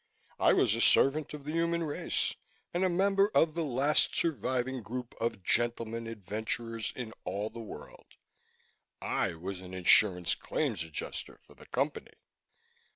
I was a servant of the human race and a member of the last surviving group of gentleman adventurers in all the world: I was an Insurance Claims Adjuster for the Company!